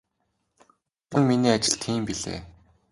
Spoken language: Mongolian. Учир нь миний ажил тийм билээ.